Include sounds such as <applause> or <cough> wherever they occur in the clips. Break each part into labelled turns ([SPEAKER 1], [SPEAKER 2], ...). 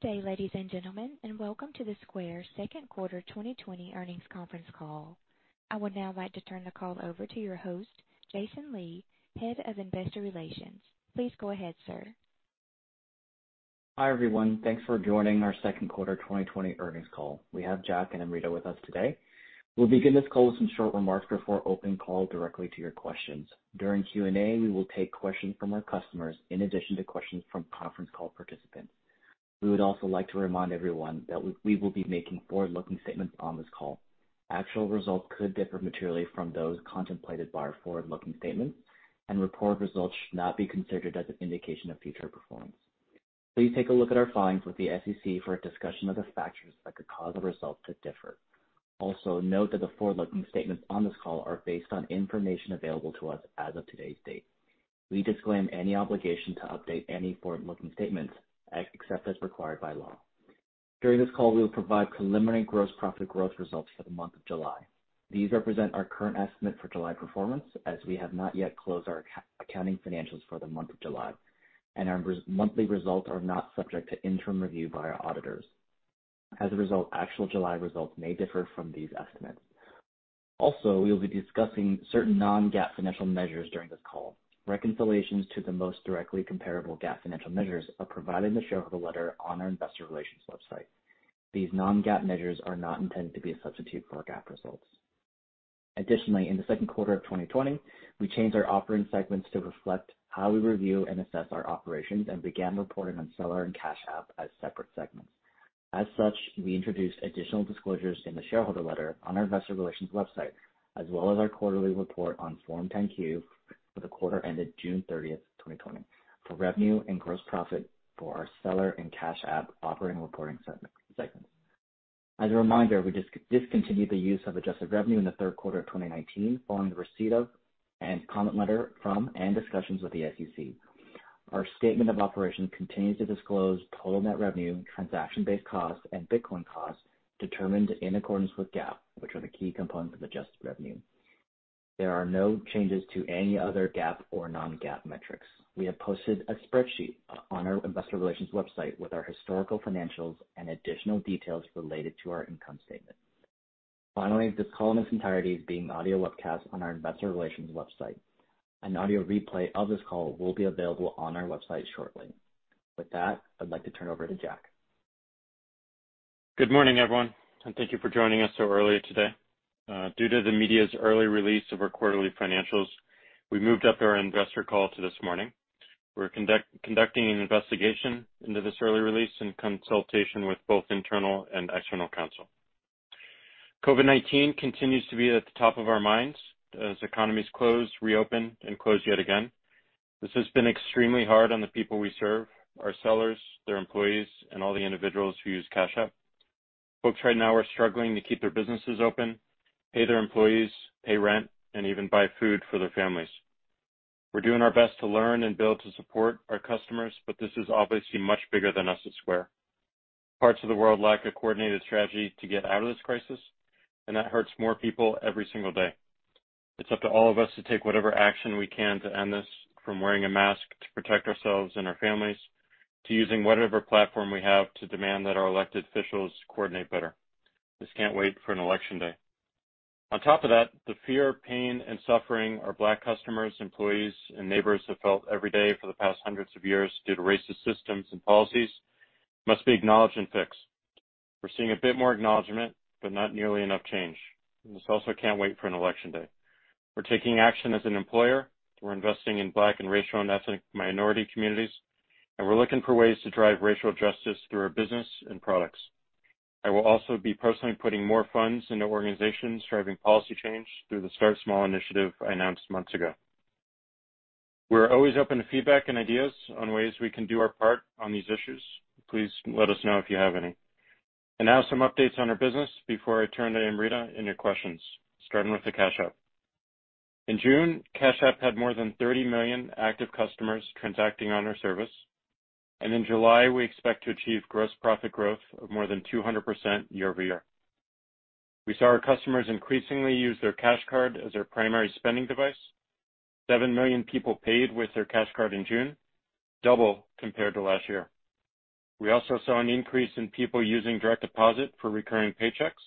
[SPEAKER 1] Good day, ladies and gentlemen, and welcome to the Square second quarter 2020 earnings conference call. I would now like to turn the call over to your host, Jason Lee, Head of Investor Relations. Please go ahead, sir.
[SPEAKER 2] Hi, everyone. Thanks for joining our second quarter 2020 earnings call. We have Jack and Amrita with us today. We'll begin this call with some short remarks before opening call directly to your questions. During Q&A, we will take questions from our customers in addition to questions from conference call participants. We would also like to remind everyone that we will be making forward-looking statements on this call. Actual results could differ materially from those contemplated by our forward-looking statements, and reported results should not be considered as an indication of future performance. Please take a look at our filings with the SEC for a discussion of the factors that could cause the results to differ. Also, note that the forward-looking statements on this call are based on information available to us as of today's date. We disclaim any obligation to update any forward-looking statements, except as required by law. During this call, we will provide preliminary gross profit growth results for the month of July. These represent our current estimate for July performance, as we have not yet closed our accounting financials for the month of July, and our monthly results are not subject to interim review by our auditors. As a result, actual July results may differ from these estimates. Also, we will be discussing certain non-GAAP financial measures during this call. Reconciliations to the most directly comparable GAAP financial measures are provided in the shareholder letter on our investor relations website. These non-GAAP measures are not intended to be a substitute for our GAAP results. Additionally, in the second quarter of 2020, we changed our operating segments to reflect how we review and assess our operations and began reporting on Seller and Cash App as separate segments. As such, we introduced additional disclosures in the shareholder letter on our investor relations website, as well as our quarterly report on Form 10-Q for the quarter ended June 30th, 2020, for revenue and gross profit for our seller and Cash App operating reporting segments. As a reminder, we discontinued the use of adjusted revenue in the third quarter of 2019 following the receipt of and comment letter from and discussions with the SEC. Our statement of operations continues to disclose total net revenue, transaction-based costs, and Bitcoin costs determined in accordance with GAAP, which are the key components of adjusted revenue. There are no changes to any other GAAP or non-GAAP metrics. We have posted a spreadsheet on our investor relations website with our historical financials and additional details related to our income statement. Finally, this call in its entirety is being audio webcast on our investor relations website. An audio replay of this call will be available on our website shortly. With that, I'd like to turn it over to Jack.
[SPEAKER 3] Good morning, everyone. Thank you for joining us so early today. Due to the media's early release of our quarterly financials, we moved up our investor call to this morning. We're conducting an investigation into this early release in consultation with both internal and external counsel. COVID-19 continues to be at the top of our minds as economies close, reopen, and close yet again. This has been extremely hard on the people we serve, our sellers, their employees, and all the individuals who use Cash App. Folks right now are struggling to keep their businesses open, pay their employees, pay rent, and even buy food for their families. We're doing our best to learn and build to support our customers, but this is obviously much bigger than us at Square. Parts of the world lack a coordinated strategy to get out of this crisis, and that hurts more people every single day. It's up to all of us to take whatever action we can to end this, from wearing a mask to protect ourselves and our families, to using whatever platform we have to demand that our elected officials coordinate better. This can't wait for an election day. On top of that, the fear, pain, and suffering our Black customers, employees, and neighbors have felt every day for the past hundreds of years due to racist systems and policies must be acknowledged and fixed. We're seeing a bit more acknowledgment, but not nearly enough change. This also can't wait for an election day. We're taking action as an employer. We're investing in Black and racial and ethnic minority communities. We're looking for ways to drive racial justice through our business and products. I will also be personally putting more funds into organizations driving policy change through the Start Small initiative I announced months ago. We're always open to feedback and ideas on ways we can do our part on these issues. Please let us know if you have any. Now some updates on our business before I turn to Amrita and your questions, starting with the Cash App. In June, Cash App had more than 30 million active customers transacting on our service. In July, we expect to achieve gross profit growth of more than 200% year-over-year. We saw our customers increasingly use their Cash Card as their primary spending device. Seven million people paid with their Cash Card in June, double compared to last year. We also saw an increase in people using Direct Deposit for recurring paychecks,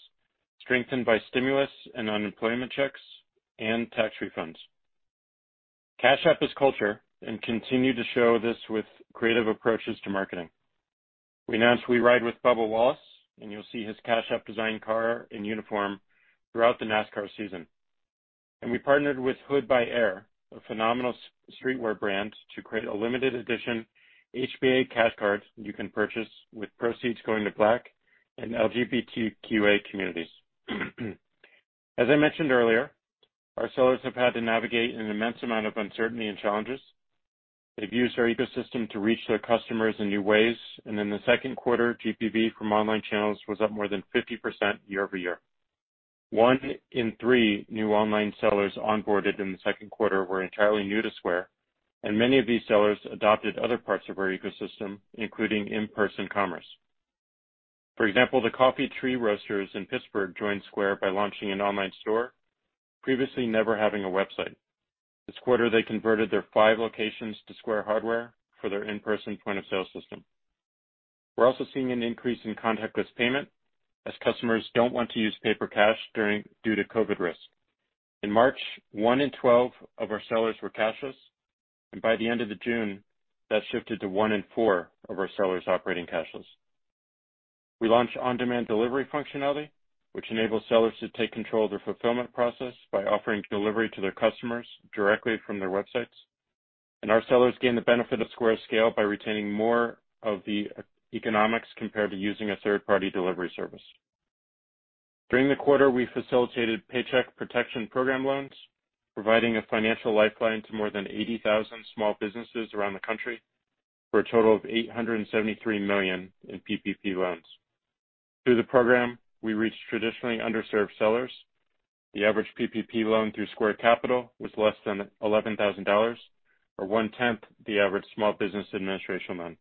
[SPEAKER 3] strengthened by stimulus and unemployment checks and tax refunds. Cash App is culture and continue to show this with creative approaches to marketing. We announced We Ride with Bubba Wallace, and you'll see his Cash App-designed car and uniform throughout the NASCAR season. We partnered with Hood By Air, a phenomenal streetwear brand, to create a limited edition HBA Cash Card you can purchase with proceeds going to Black and LGBTQ+ communities. As I mentioned earlier, our sellers have had to navigate an immense amount of uncertainty and challenges. They've used our ecosystem to reach their customers in new ways. In the second quarter, GPV from online channels was up more than 50% year-over-year. One in three new online sellers onboarded in the second quarter were entirely new to Square. Many of these sellers adopted other parts of our ecosystem, including in-person commerce. For example, The Coffee Tree Roasters in Pittsburgh joined Square by launching an online store, previously never having a website. This quarter, they converted their five locations to Square hardware for their in-person point-of-sale system. We're also seeing an increase in contactless payment as customers don't want to use paper cash due to COVID risk. In March, one in 12 of our sellers were cashless. By the end of June, that shifted to one in four of our sellers operating cashless. We launched on-demand delivery functionality, which enables sellers to take control of their fulfillment process by offering delivery to their customers directly from their websites. Our sellers gain the benefit of Square's scale by retaining more of the economics compared to using a third-party delivery service. During the quarter, we facilitated Paycheck Protection Program loans, providing a financial lifeline to more than 80,000 small businesses around the country for a total of $873 million in PPP loans. Through the program, we reached traditionally underserved sellers. The average PPP loan through Square Capital was less than $11,000, or 1/10 the average Small Business Administration loan.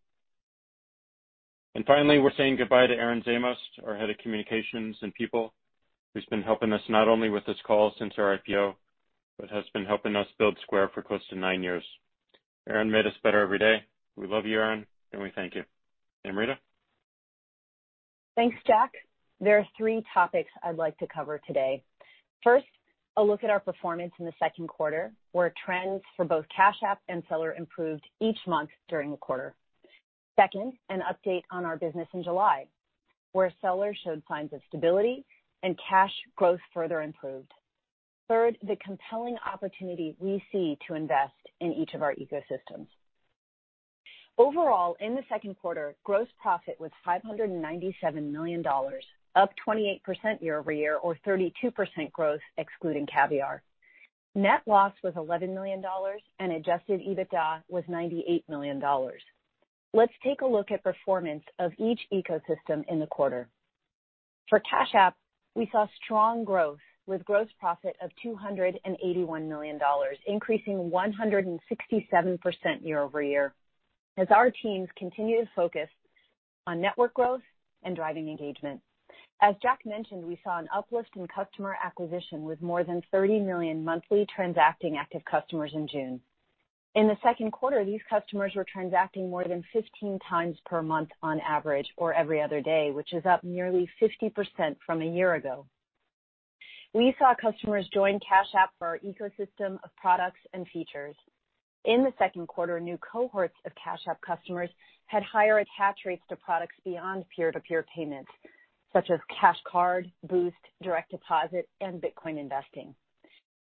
[SPEAKER 3] Finally, we're saying goodbye to Aaron Zamost, our Head of Communications and People, who's been helping us not only with this call since our IPO, but has been helping us build Square for close to nine years. Aaron made us better every day. We love you, Aaron, and we thank you. Amrita?
[SPEAKER 4] Thanks, Jack. There are three topics I'd like to cover today. First, a look at our performance in the second quarter, where trends for both Cash App and Seller improved each month during the quarter. Second, an update on our business in July, where Seller showed signs of stability and Cash growth further improved. Third, the compelling opportunity we see to invest in each of our ecosystems. Overall, in the second quarter, gross profit was $597 million, up 28% year-over-year, or 32% growth excluding Caviar. Net loss was $11 million, and adjusted EBITDA was $98 million. Let's take a look at performance of each ecosystem in the quarter. For Cash App, we saw strong growth, with gross profit of $281 million, increasing 167% year-over-year, as our teams continued to focus on network growth and driving engagement. As Jack mentioned, we saw an uplift in customer acquisition, with more than 30 million monthly transacting active customers in June. In the second quarter, these customers were transacting more than 15x per month on average, or every other day, which is up nearly 50% from a year ago. We saw customers join Cash App for our ecosystem of products and features. In the second quarter, new cohorts of Cash App customers had higher attach rates to products beyond peer-to-peer payments, such as Cash Card, Boost, Direct Deposit, and Bitcoin investing.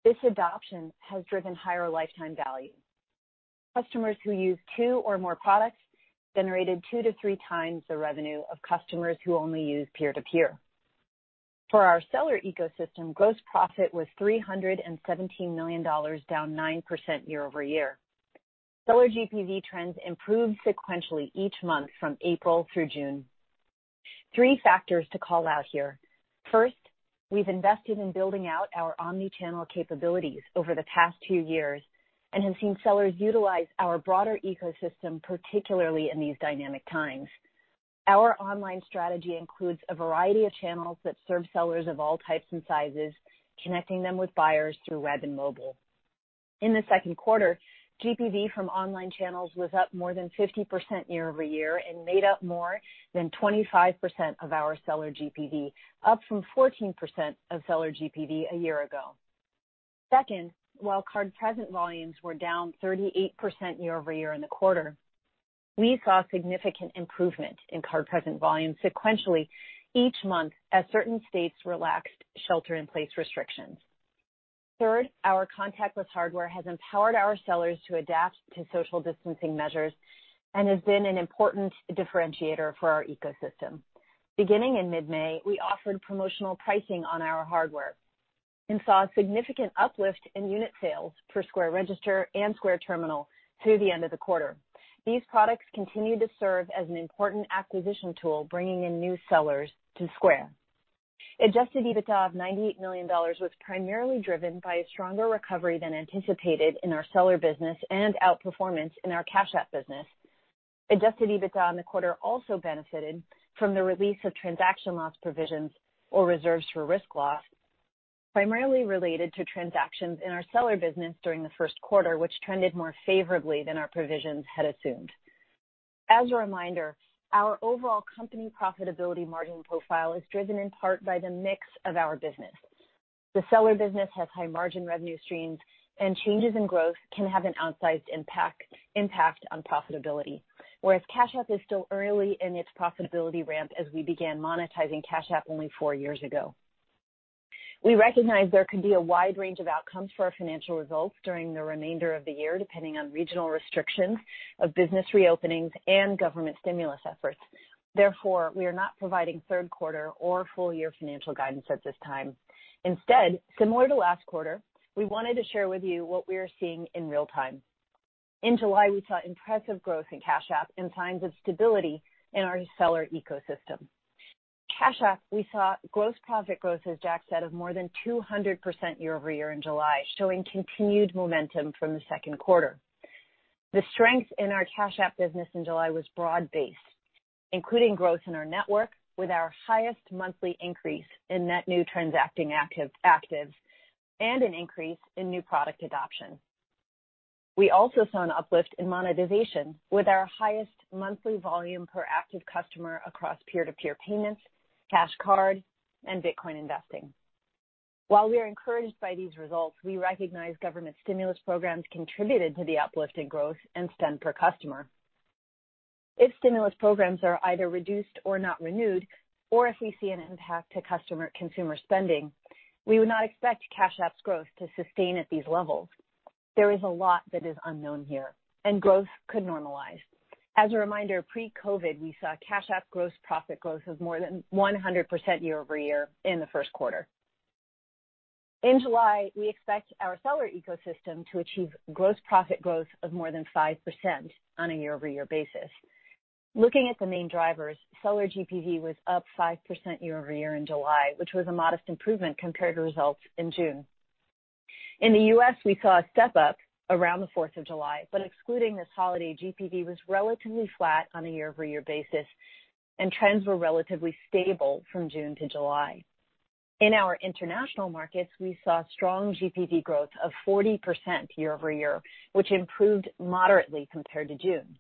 [SPEAKER 4] This adoption has driven higher lifetime value. Customers who use two or more products generated 2x-3x the revenue of customers who only use peer-to-peer. For our Seller ecosystem, gross profit was $317 million, down 9% year-over-year. Seller GPV trends improved sequentially each month from April through June. Three factors to call out here. First, we've invested in building out our omni-channel capabilities over the past two years and have seen sellers utilize our broader ecosystem, particularly in these dynamic times. Our online strategy includes a variety of channels that serve sellers of all types and sizes, connecting them with buyers through web and mobile. In the second quarter, GPV from online channels was up more than 50% year-over-year and made up more than 25% of our seller GPV, up from 14% of seller GPV a year ago. Second, while card-present volumes were down 38% year-over-year in the quarter, we saw significant improvement in card-present volumes sequentially each month as certain states relaxed shelter-in-place restrictions. Third, our contactless hardware has empowered our sellers to adapt to social distancing measures and has been an important differentiator for our ecosystem. Beginning in mid-May, we offered promotional pricing on our hardware and saw a significant uplift in unit sales for Square Register and Square Terminal through the end of the quarter. These products continue to serve as an important acquisition tool, bringing in new sellers to Square. adjusted EBITDA of $98 million was primarily driven by a stronger recovery than anticipated in our Seller business and outperformance in our Cash App business. adjusted EBITDA in the quarter also benefited from the release of transaction loss provisions or reserves for risk loss, primarily related to transactions in our Seller business during the first quarter, which trended more favorably than our provisions had assumed. As a reminder, our overall company profitability margin profile is driven in part by the mix of our business. The Seller business has high-margin revenue streams, and changes in growth can have an outsized impact on profitability. Whereas Cash App is still early in its profitability ramp as we began monetizing Cash App only four years ago. We recognize there could be a wide range of outcomes for our financial results during the remainder of the year, depending on regional restrictions of business reopenings and government stimulus efforts. Therefore, we are not providing third quarter or full-year financial guidance at this time. Instead, similar to last quarter, we wanted to share with you what we are seeing in real time. In July, we saw impressive growth in Cash App and signs of stability in our Seller ecosystem. Cash App, we saw gross profit growth, as Jack said, of more than 200% year-over-year in July, showing continued momentum from the second quarter. The strength in our Cash App business in July was broad-based, including growth in our network with our highest monthly increase in net new transacting actives and an increase in new product adoption. We also saw an uplift in monetization with our highest monthly volume per active customer across peer-to-peer payments, Cash Card, and Bitcoin investing. While we are encouraged by these results, we recognize government stimulus programs contributed to the uplift in growth and spend per customer. If stimulus programs are either reduced or not renewed, or if we see an impact to consumer spending, we would not expect Cash App's growth to sustain at these levels. There is a lot that is unknown here, and growth could normalize. As a reminder, pre-COVID, we saw Cash App gross profit growth of more than 100% year-over-year in the first quarter. In July, we expect our seller ecosystem to achieve gross profit growth of more than 5% on a year-over-year basis. Looking at the main drivers, seller GPV was up 5% year-over-year in July, which was a modest improvement compared to results in June. In the U.S., we saw a step up around the July 4th, but excluding this holiday, GPV was relatively flat on a year-over-year basis, and trends were relatively stable from June to July. In our international markets, we saw strong GPV growth of 40% year-over-year, which improved moderately compared to June.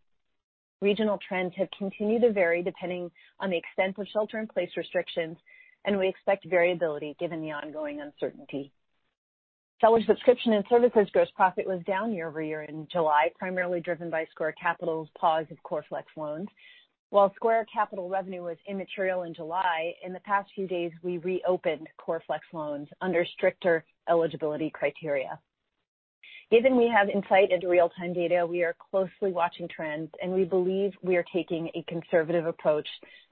[SPEAKER 4] Regional trends have continued to vary depending on the extent of shelter-in-place restrictions, and we expect variability given the ongoing uncertainty. Seller subscription and services gross profit was down year-over-year in July, primarily driven by Square Capital's pause of Core Flex Loans. Square Capital revenue was immaterial in July, in the past few days, we reopened Core Flex Loans under stricter eligibility criteria. We have insight into real-time data, we are closely watching trends, and we believe we are taking a conservative approach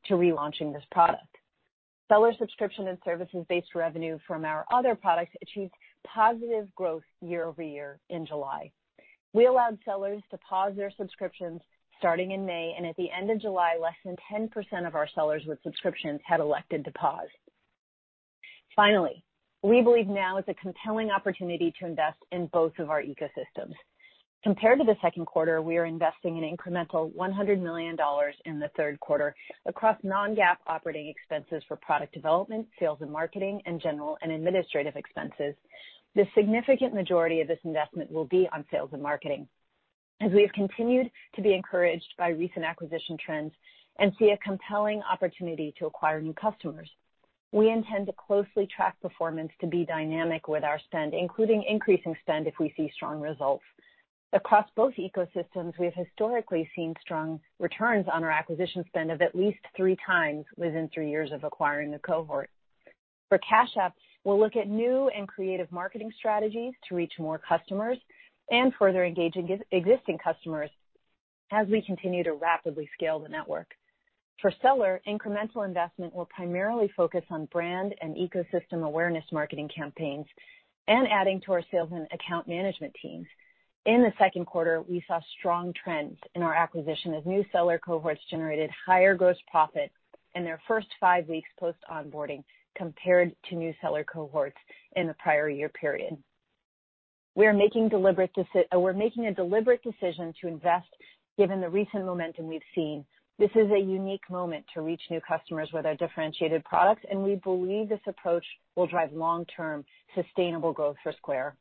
[SPEAKER 4] to relaunching this product. Seller subscription and services-based revenue from our other products achieved positive growth year-over-year in July. We allowed sellers to pause their subscriptions starting in May, and at the end of July, less than 10% of our sellers with subscriptions had elected to pause. We believe now is a compelling opportunity to invest in both of our ecosystems. Compared to the second quarter, we are investing an incremental $100 million in the third quarter across non-GAAP operating expenses for product development, sales and marketing, and general and administrative expenses. The significant majority of this investment will be on sales and marketing. As we have continued to be encouraged by recent acquisition trends and see a compelling opportunity to acquire new customers, we intend to closely track performance to be dynamic with our spend, including increasing spend if we see strong results. Across both ecosystems, we have historically seen strong returns on our acquisition spend of at least 3x within three years of acquiring a cohort. For Cash App, we will look at new and creative marketing strategies to reach more customers and further engage existing customers as we continue to rapidly scale the network. For seller, incremental investment will primarily focus on brand and ecosystem awareness marketing campaigns and adding to our sales and account management teams. In the second quarter, we saw strong trends in our acquisition as new seller cohorts generated higher gross profit in their first five weeks post-onboarding compared to new seller cohorts in the prior year period. We're making a deliberate decision to invest given the recent momentum we've seen. This is a unique moment to reach new customers with our differentiated products, we believe this approach will drive long-term sustainable growth for Square.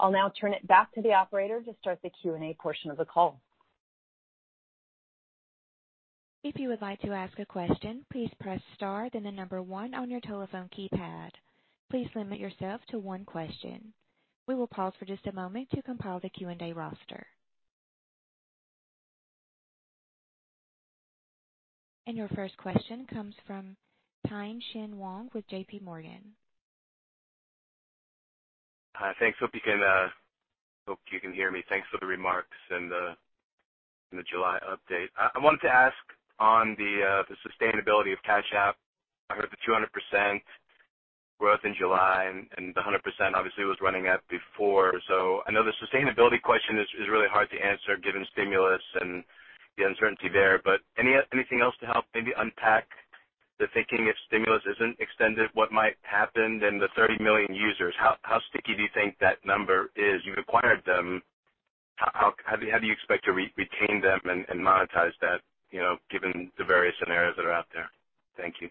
[SPEAKER 4] I'll now turn it back to the operator to start the Q&A portion of the call.
[SPEAKER 1] If you would like to ask a question, please press star then one on your telephone keypad. Please limit yourself to one question. We will pause for just a moment to compile the Q&A roster. Your first question comes from Tien-Tsin Huang with JPMorgan.
[SPEAKER 5] Hi. Thanks. Hope you can hear me. Thanks for the remarks and the July update. I wanted to ask on the sustainability of Cash App. I heard the 200% growth in July and the 100% obviously was running at before. I know the sustainability question is really hard to answer given stimulus and the uncertainty there. Anything else to help maybe unpack the thinking if stimulus isn't extended, what might happen then the 30 million users, how sticky do you think that number is? You've acquired them. How do you expect to retain them and monetize that given the various scenarios that are out there? Thank you.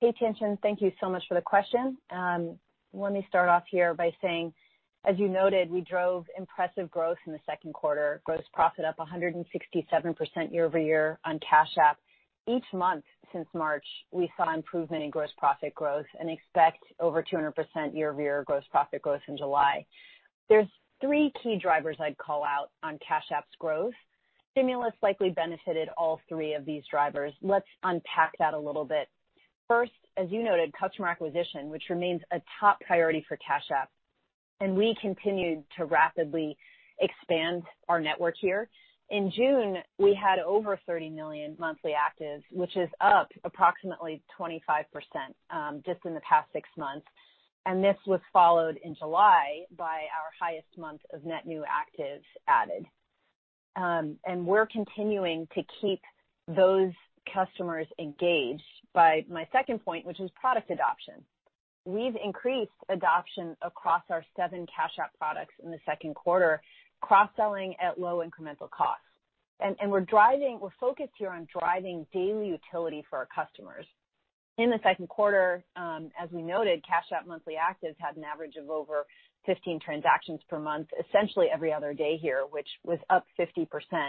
[SPEAKER 4] Hey, Tien-Tsin. Thank you so much for the question. Let me start off here by saying, as you noted, we drove impressive growth in the second quarter. Gross profit up 167% year-over-year on Cash App. Each month since March, we saw improvement in gross profit growth and expect over 200% year-over-year gross profit growth in July. There's three key drivers I'd call out on Cash App's growth. Stimulus likely benefited all three of these drivers. Let's unpack that a little bit. First, as you noted, customer acquisition, which remains a top priority for Cash App. We continued to rapidly expand our network here. In June, we had over 30 million monthly actives, which is up approximately 25% just in the past six months. This was followed in July by our highest month of net new actives added. We're continuing to keep those customers engaged by my second point, which is product adoption. We've increased adoption across our seven Cash App products in the second quarter, cross-selling at low incremental costs. We're focused here on driving daily utility for our customers. In the second quarter, as we noted, Cash App monthly actives had an average of over 15 transactions per month, essentially every other day here, which was up 50%,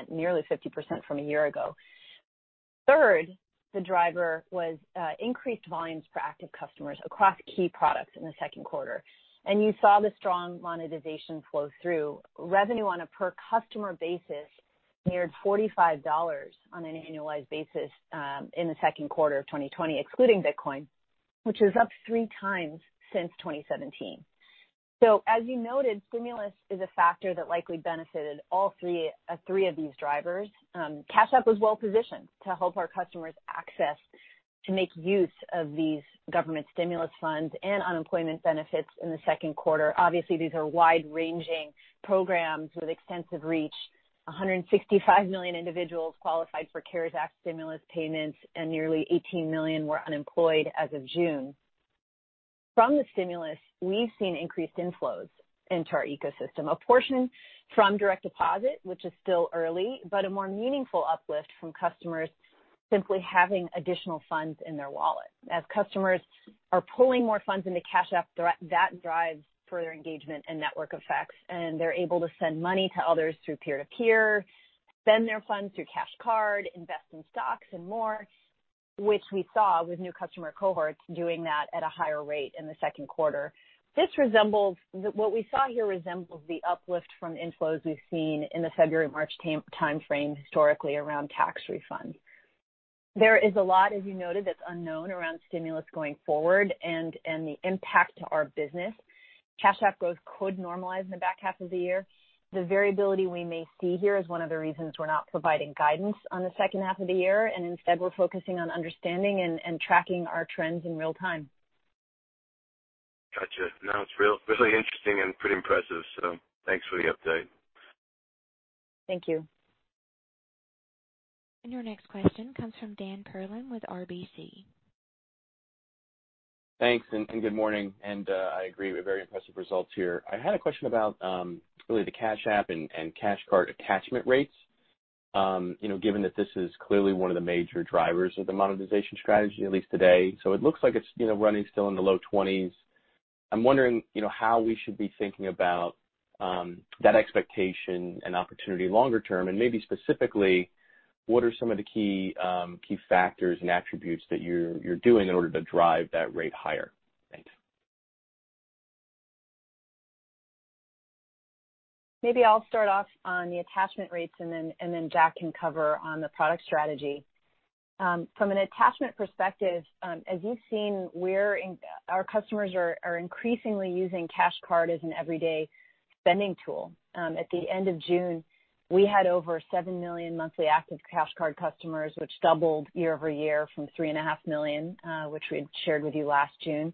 [SPEAKER 4] nearly 50% from a year ago. Third, the driver was increased volumes for active customers across key products in the second quarter. You saw the strong monetization flow through. Revenue on a per-customer basis neared $45 on an annualized basis in the second quarter of 2020, excluding Bitcoin, which is up three times since 2017. As we noted, stimulus is a factor that likely benefited all three of these drivers. Cash App was well-positioned to help our customers access to make use of these government stimulus funds and unemployment benefits in the second quarter. Obviously, these are wide-ranging programs with extensive reach. 165 million individuals qualified for CARES Act stimulus payments, and nearly 18 million were unemployed as of June. From the stimulus, we've seen increased inflows into our ecosystem. A portion from Direct Deposit, which is still early, but a more meaningful uplift from customers simply having additional funds in their wallet. As customers are pulling more funds into Cash App, that drives further engagement and network effects, and they're able to send money to others through peer-to-peer, spend their funds through Cash Card, invest in stocks and more, which we saw with new customer cohorts doing that at a higher rate in the second quarter. What we saw here resembles the uplift from inflows we've seen in the February, March timeframe historically around tax refunds. There is a lot, as you noted, that's unknown around stimulus going forward and the impact to our business. Cash App growth could normalize in the back half of the year. The variability we may see here is one of the reasons we're not providing guidance on the second half of the year. Instead, we're focusing on understanding and tracking our trends in real time.
[SPEAKER 5] Got you. No, it's really interesting and pretty impressive. Thanks for the update.
[SPEAKER 4] Thank you.
[SPEAKER 1] Your next question comes from Dan Perlin with RBC.
[SPEAKER 6] Thanks. Good morning. I agree, very impressive results here. I had a question about really the Cash App and Cash Card attachment rates. Given that this is clearly one of the major drivers of the monetization strategy, at least today. It looks like it's running still in the low 20s. I'm wondering how we should be thinking about that expectation and opportunity longer term, and maybe specifically, what are some of the key factors and attributes that you're doing in order to drive that rate higher? Thanks.
[SPEAKER 4] Maybe I'll start off on the attachment rates, and then Jack can cover on the product strategy. From an attachment perspective, as you've seen, our customers are increasingly using Cash Card as an everyday spending tool. At the end of June, we had over 7 million monthly active Cash Card customers, which doubled year-over-year from 3.5 million, which we had shared with you last June.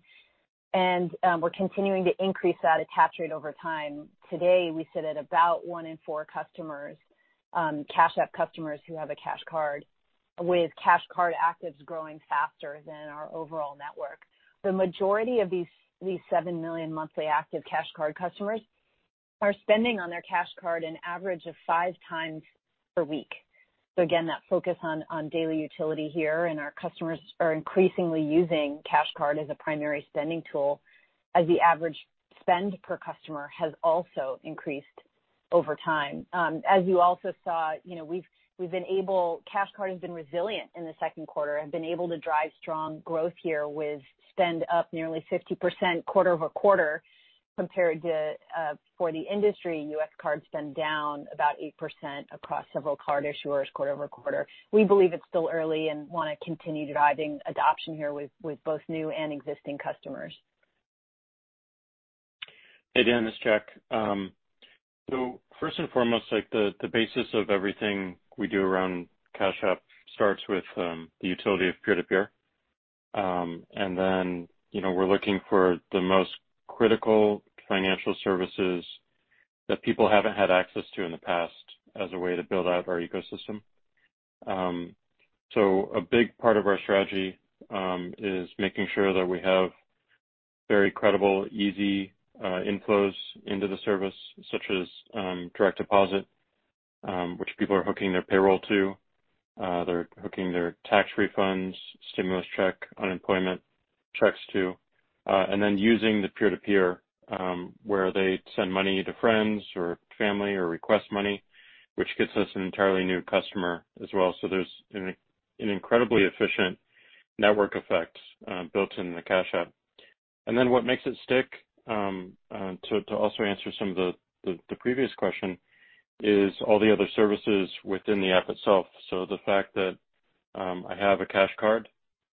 [SPEAKER 4] We're continuing to increase that attach rate over time. Today, we sit at about one in four Cash App customers who have a Cash Card, with Cash Card actives growing faster than our overall network. The majority of these 7 million monthly active Cash Card customers are spending on their Cash Card an average of 5x per week. Again, that focus on daily utility here, and our customers are increasingly using Cash Card as a primary spending tool as the average spend per customer has also increased over time. As you also saw, Cash Card has been resilient in the second quarter, have been able to drive strong growth here with spend up nearly 50% quarter-over-quarter compared to, for the industry, U.S. card spend down about 8% across several card issuers quarter-over-quarter. We believe it's still early and want to continue driving adoption here with both new and existing customers.
[SPEAKER 3] Hey, Dan, it's Jack. First and foremost, the basis of everything we do around Cash App starts with the utility of peer-to-peer. Then we're looking for the most critical financial services that people haven't had access to in the past as a way to build out our ecosystem. A big part of our strategy is making sure that we have very credible, easy inflows into the service, such as Direct Deposit, which people are hooking their payroll to. They're hooking their tax refunds, stimulus check, unemployment checks to. Then using the peer-to-peer, where they send money to friends or family or request money, which gets us an entirely new customer as well. There's an incredibly efficient network effect built into the Cash App. What makes it stick, to also answer some of the previous question, is all the other services within the app itself. The fact that I have a Cash Card,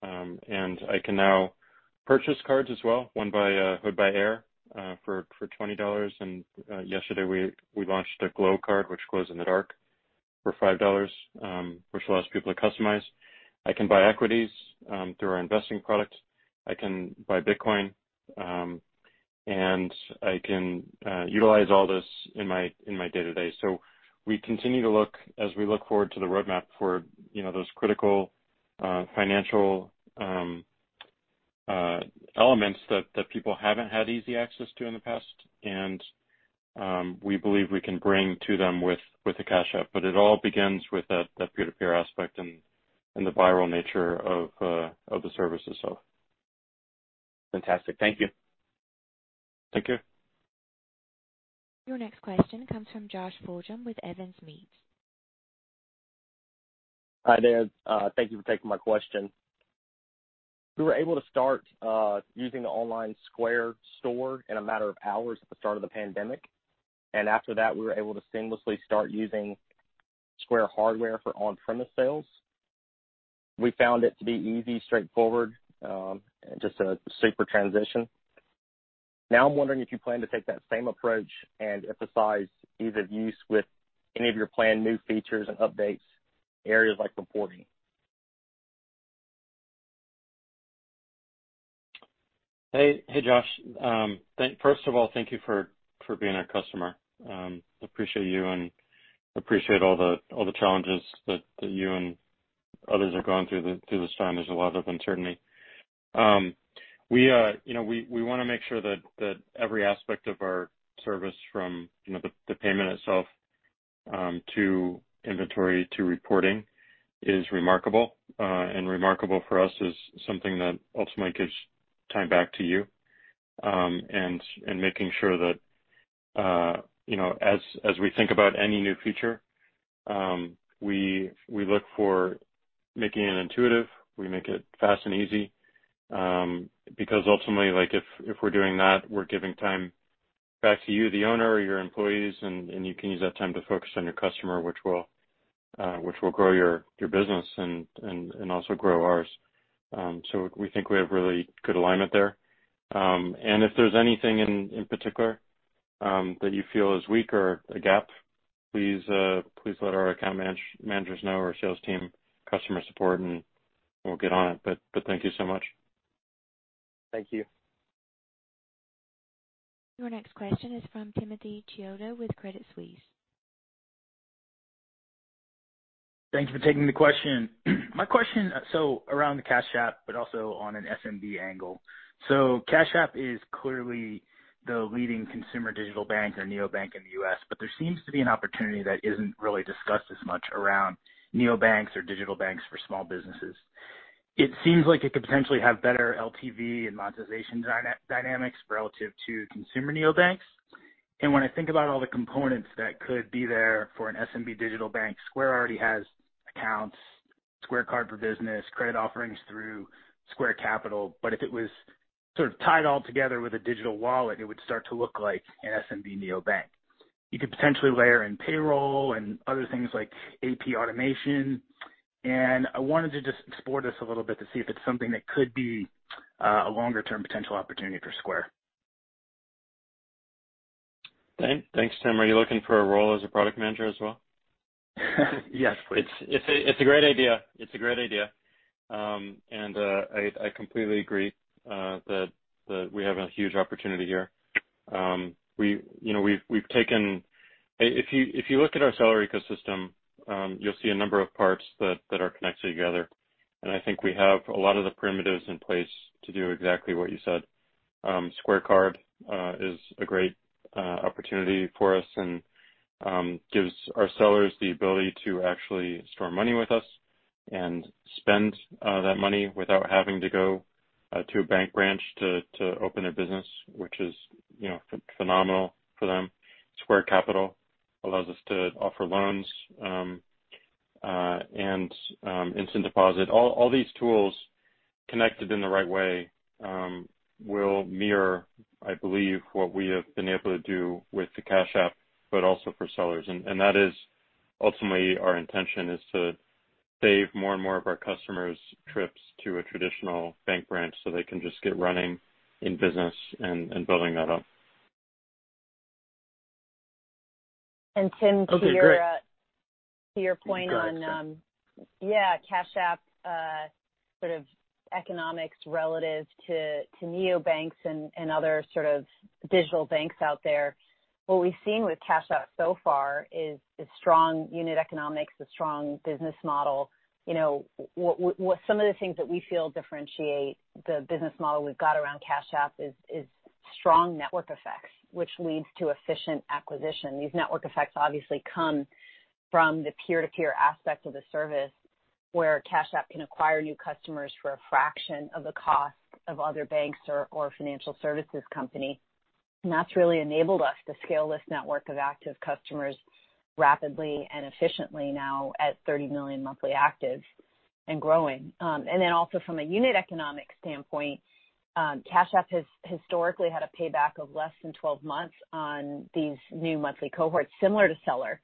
[SPEAKER 3] and I can now purchase cards as well, one by Hood By Air for $20, and yesterday we launched a Glow Card, which glows in the dark, for $5, which allows people to customize. I can buy equities through our investing product. I can buy Bitcoin. And I can utilize all this in my day-to-day. We continue to look as we look forward to the roadmap for those critical financial elements that people haven't had easy access to in the past, and we believe we can bring to them with the Cash App. It all begins with that peer-to-peer aspect and the viral nature of the services itself.
[SPEAKER 6] Fantastic. Thank you.
[SPEAKER 3] Thank you.
[SPEAKER 1] Your next question comes from Josh Fulgham with. <audio distortion>
[SPEAKER 7] Hi there. Thank you for taking my question. We were able to start using the online Square store in a matter of hours at the start of the pandemic. After that, we were able to seamlessly start using Square hardware for on-premise sales. We found it to be easy, straightforward, and just a super transition. I'm wondering if you plan to take that same approach and emphasize ease of use with any of your planned new features and updates in areas like reporting?
[SPEAKER 3] Hey, Josh. First of all, thank you for being our customer. Appreciate you and appreciate all the challenges that you and others are going through this time. There's a lot of uncertainty. We want to make sure that every aspect of our service, from the payment itself to inventory to reporting is remarkable. Remarkable for us is something that ultimately gives time back to you, and making sure that as we think about any new feature, we look for making it intuitive. We make it fast and easy. Because ultimately, if we're doing that, we're giving time back to you, the owner, or your employees, and you can use that time to focus on your customer, which will grow your business and also grow ours. We think we have really good alignment there. If there's anything in particular that you feel is weak or a gap, please let our account managers know or sales team, customer support, and we'll get on it. Thank you so much.
[SPEAKER 7] Thank you.
[SPEAKER 1] Your next question is from Timothy Chiodo with Credit Suisse.
[SPEAKER 8] Thank you for taking the question. My question around the Cash App, also on an SMB angle. Cash App is clearly the leading consumer digital bank or neobank in the U.S. There seems to be an opportunity that isn't really discussed as much around neobanks or digital banks for small businesses. It seems like it could potentially have better LTV and monetization dynamics relative to consumer neobanks. When I think about all the components that could be there for an SMB digital bank, Square already has accounts, Square Card for business, credit offerings through Square Capital. If it was sort of tied all together with a digital wallet, it would start to look like an SMB neobank. You could potentially layer in payroll and other things like AP automation, and I wanted to just explore this a little bit to see if it's something that could be a longer-term potential opportunity for Square.
[SPEAKER 3] Thanks, Tim. Are you looking for a role as a product manager as well?
[SPEAKER 8] Yes, please.
[SPEAKER 3] It's a great idea. I completely agree that we have a huge opportunity here. If you look at our seller ecosystem, you'll see a number of parts that are connected together, and I think we have a lot of the primitives in place to do exactly what you said. Square Card is a great opportunity for us and gives our sellers the ability to actually store money with us and spend that money without having to go to a bank branch to open a business, which is phenomenal for them. Square Capital allows us to offer loans and instant deposit. All these tools connected in the right way will mirror, I believe, what we have been able to do with the Cash App, but also for sellers. That is ultimately our intention, is to save more and more of our customers trips to a traditional bank branch so they can just get running in business and building that up.
[SPEAKER 4] Tim-
[SPEAKER 3] Okay, great.
[SPEAKER 4] To your point on-
[SPEAKER 8] Go ahead, Amrita Ahuja.
[SPEAKER 4] Cash App sort of economics relative to neobanks and other sort of digital banks out there. What we've seen with Cash App so far is strong unit economics, a strong business model. Some of the things that we feel differentiate the business model we've got around Cash App is strong network effects, which leads to efficient acquisition. These network effects obviously come from the peer-to-peer aspect of the service, where Cash App can acquire new customers for a fraction of the cost of other banks or a financial services company. That's really enabled us to scale this network of active customers rapidly and efficiently now at 30 million monthly actives and growing. Also from a unit economic standpoint, Cash App has historically had a payback of less than 12 months on these new monthly cohorts, similar to Seller.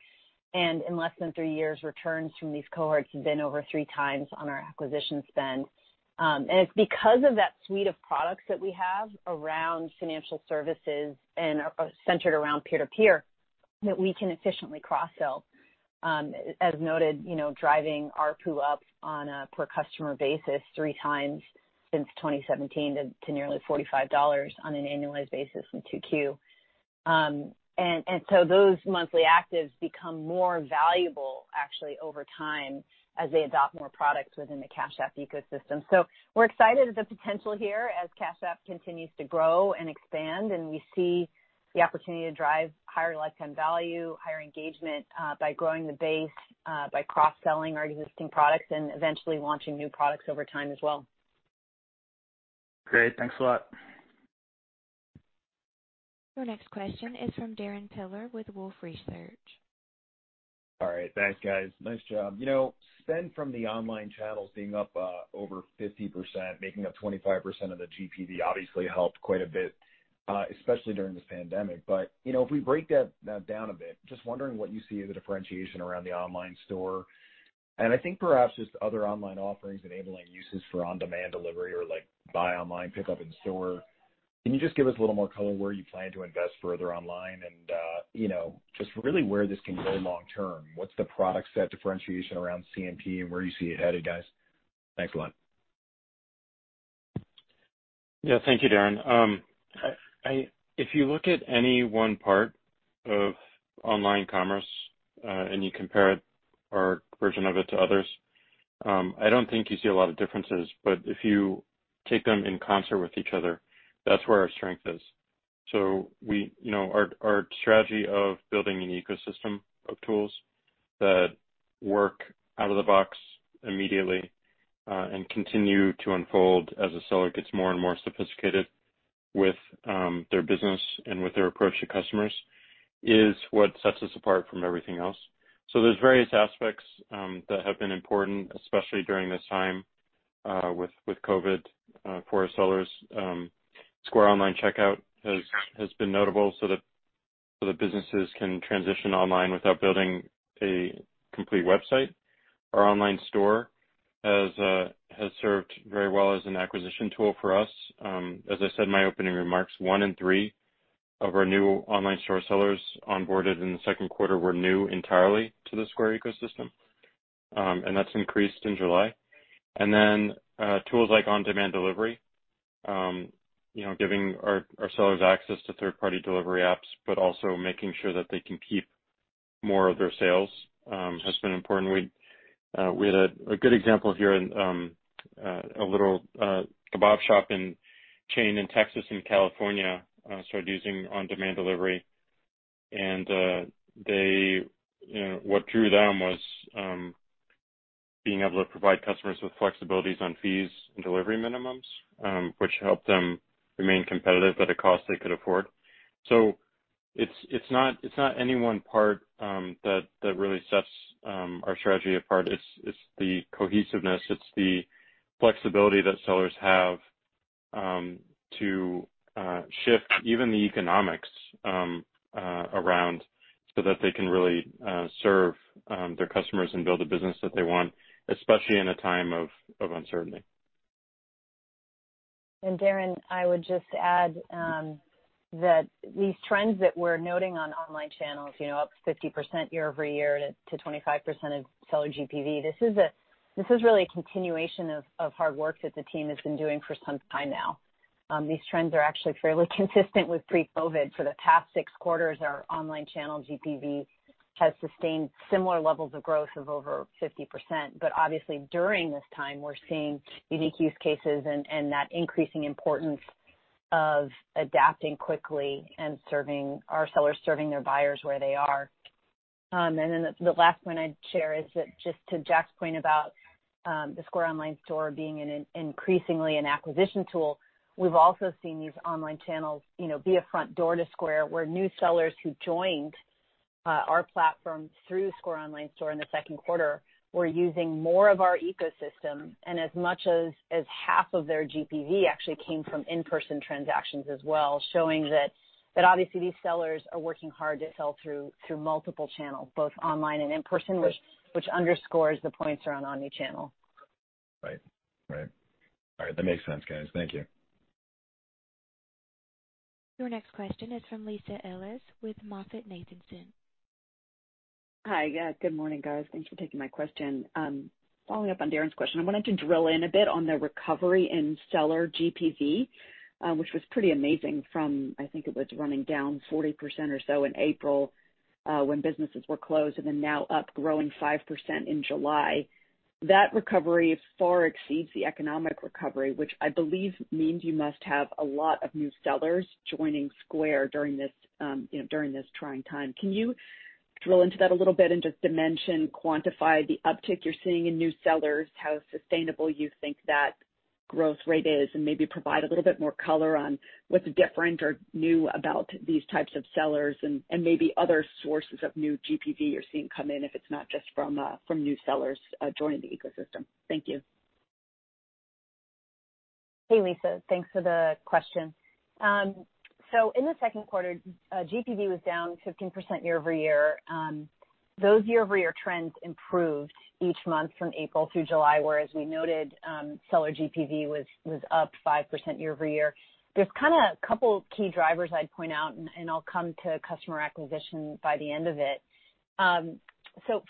[SPEAKER 4] In less than three years, returns from these cohorts have been over 3x on our acquisition spend. It's because of that suite of products that we have around financial services and centered around peer to peer. That we can efficiently cross-sell. As noted, driving ARPU up on a per customer basis 3x since 2017 to nearly $45 on an annualized basis in Q2. Those monthly actives become more valuable actually over time as they adopt more products within the Cash App ecosystem. We're excited at the potential here as Cash App continues to grow and expand, and we see the opportunity to drive higher lifetime value, higher engagement by growing the base, by cross-selling our existing products, and eventually launching new products over time as well.
[SPEAKER 8] Great. Thanks a lot.
[SPEAKER 1] Your next question is from Darrin Peller with Wolfe Research.
[SPEAKER 9] All right. Thanks, guys. Nice job. Spend from the online channels being up over 50%, making up 25% of the GPV obviously helped quite a bit, especially during this pandemic. If we break that down a bit, just wondering what you see as a differentiation around the online store. I think perhaps just other online offerings enabling uses for on-demand delivery or buy online pickup in store. Can you just give us a little more color where you plan to invest further online and just really where this can go long term? What's the product set differentiation around CNP and where you see it headed, guys? Thanks a lot.
[SPEAKER 3] Yeah. Thank you, Darrin. If you look at any one part of online commerce, and you compare our version of it to others, I don't think you see a lot of differences, but if you take them in concert with each other, that's where our strength is. Our strategy of building an ecosystem of tools that work out of the box immediately, and continue to unfold as a seller gets more and more sophisticated with their business and with their approach to customers, is what sets us apart from everything else. There's various aspects that have been important, especially during this time, with COVID-19, for our sellers. Square Online Checkout has been notable so that businesses can transition online without building a complete website. Our Online Store has served very well as an acquisition tool for us. As I said in my opening remarks, one in three of our new online store sellers onboarded in the second quarter were new entirely to the Square ecosystem, and that's increased in July. Tools like on-demand delivery, giving our sellers access to third-party delivery apps, but also making sure that they can keep more of their sales has been important. We had a good example here, a little kebab shop chain in Texas and California started using on-demand delivery. What drew them was being able to provide customers with flexibilities on fees and delivery minimums, which helped them remain competitive at a cost they could afford. It's not any one part that really sets our strategy apart. It's the cohesiveness, it's the flexibility that sellers have to shift even the economics around so that they can really serve their customers and build a business that they want, especially in a time of uncertainty.
[SPEAKER 4] Darrin, I would just add that these trends that we're noting on online channels, up 50% year-over-year to 25% of seller GPV, this is really a continuation of hard work that the team has been doing for some time now. These trends are actually fairly consistent with pre-COVID. For the past six quarters, our online channel GPV has sustained similar levels of growth of over 50%. Obviously during this time, we're seeing unique use cases and that increasing importance of adapting quickly and our sellers serving their buyers where they are. The last one I'd share is that just to Jack's point about the Square Online store being increasingly an acquisition tool, we've also seen these online channels be a front door to Square, where new sellers who joined our platform through Square Online store in the second quarter were using more of our ecosystem, and as much as half of their GPV actually came from in-person transactions as well, showing that obviously these sellers are working hard to sell through multiple channels, both online and in person, which underscores the points around omni-channel.
[SPEAKER 9] Right. All right. That makes sense, guys. Thank you.
[SPEAKER 1] Your next question is from Lisa Ellis with MoffettNathanson.
[SPEAKER 10] Hi. Good morning, guys. Thanks for taking my question. Following up on Darrin's question, I wanted to drill in a bit on the recovery in seller GPV, which was pretty amazing from, I think it was running down 40% or so in April when businesses were closed then now up growing 5% in July. That recovery far exceeds the economic recovery, which I believe means you must have a lot of new sellers joining Square during this trying time. Can you drill into that a little bit and just dimension quantify the uptick you're seeing in new sellers, how sustainable you think that growth rate is, and maybe provide a little bit more color on what's different or new about these types of sellers and maybe other sources of new GPV you're seeing come in, if it's not just from new sellers joining the ecosystem. Thank you.
[SPEAKER 4] Hey, Lisa. Thanks for the question. In the second quarter, GPV was down 15% year-over-year. Those year-over-year trends improved each month from April through July, where, as we noted, seller GPV was up 5% year-over-year. There's a couple key drivers I'd point out, and I'll come to customer acquisition by the end of it.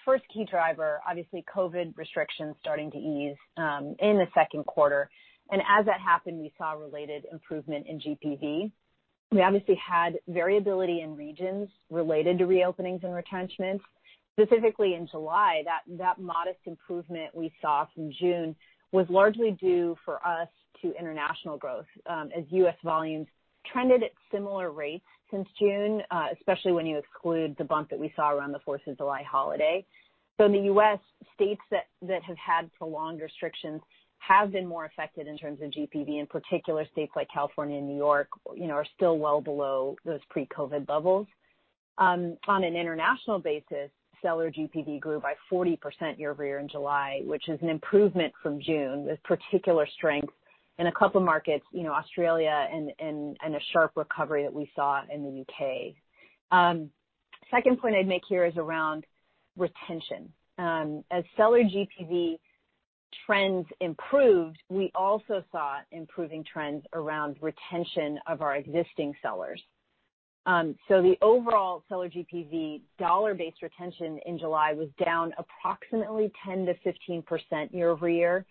[SPEAKER 4] First key driver, obviously COVID restrictions starting to ease in the second quarter. As that happened, we saw related improvement in GPV. We obviously had variability in regions related to reopenings and retrenchments. Specifically in July, that modest improvement we saw from June was largely due for us to international growth as U.S. volumes trended at similar rates since June, especially when you exclude the bump that we saw around the Fourth of July holiday. In the U.S., states that have had prolonged restrictions have been more affected in terms of GPV. In particular, states like California and New York are still well below those pre-COVID levels. On an international basis, seller GPV grew by 40% year-over-year in July, which is an improvement from June, with particular strength in a couple of markets, Australia and a sharp recovery that we saw in the U.K. Second point I'd make here is around retention. As seller GPV trends improved, we also saw improving trends around retention of our existing sellers. The overall seller GPV dollar-based retention in July was down approximately 10%-15% year-over-year.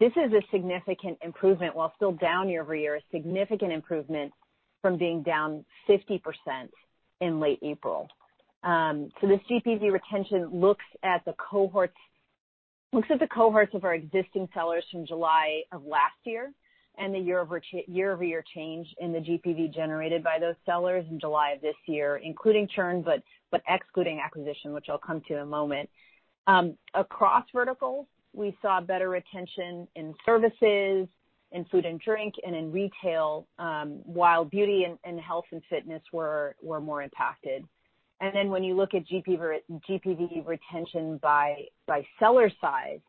[SPEAKER 4] This is a significant improvement, while still down year-over-year, a significant improvement from being down 50% in late April. This GPV retention looks at the cohorts of our existing sellers from July of last year and the year-over-year change in the GPV generated by those sellers in July of this year, including churn, but excluding acquisition, which I'll come to in a moment. Across verticals, we saw better retention in services, in food and drink, and in retail. While beauty and health and fitness were more impacted. When you look at GPV retention by seller size,